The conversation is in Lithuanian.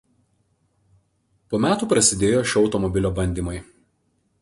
Po metų prasidėjo šio automobilio bandymai.